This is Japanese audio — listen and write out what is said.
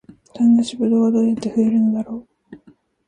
種なしブドウはどうやって増えるのだろう